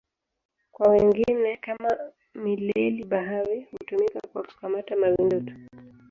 Kwa wengine, kama mileli-bahari, hutumika kwa kukamata mawindo tu.